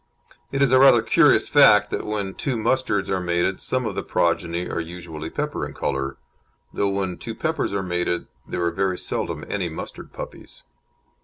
It is a rather curious fact that when two mustards are mated some of the progeny are usually pepper in colour, though when two peppers are mated there are very seldom any mustard puppies.